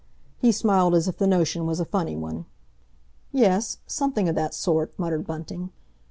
He smiled as if the notion was a funny one. "Yes, something o' that sort," muttered Bunting.